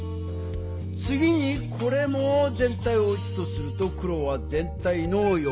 次にこれも全体を１とすると黒は全体の1/4。